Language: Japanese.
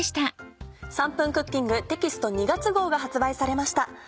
『３分クッキング』テキスト２月号が発売されました。